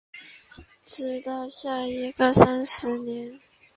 直到下一个三十年